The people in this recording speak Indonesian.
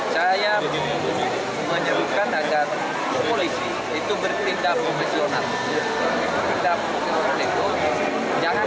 jadi saya menyebutkan agar polisi itu bertindak profesional bertindak profesional itu